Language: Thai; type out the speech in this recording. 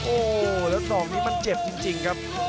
โอ้โหแล้วศอกนี้มันเจ็บจริงครับ